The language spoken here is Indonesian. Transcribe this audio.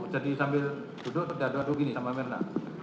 jadi sambil duduk terdaduk aduk gini sama mirna